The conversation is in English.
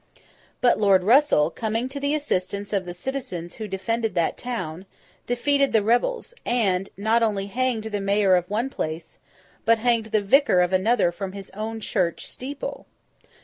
But Lord Russell, coming to the assistance of the citizens who defended that town, defeated the rebels; and, not only hanged the Mayor of one place, but hanged the vicar of another from his own church steeple.